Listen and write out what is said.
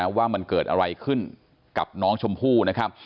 ว่ามันเกิดอะไรขึ้นกับน้องชมพู่นะครับ